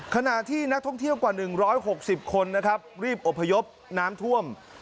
ขณะที่นักท่องเที่ยวกว่าหนึ่งร้อยหกสิบคนนะครับรีบอบพยพน้ำท่วม